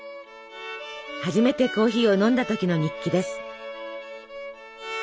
初めてコーヒーを飲んだ時の日記です。